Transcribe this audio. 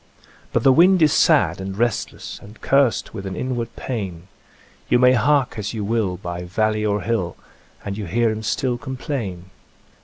But the wind is sad and restless, And cursed with an inward pain ; You may hark as you will by valley or hill, And you hear him stiU complain.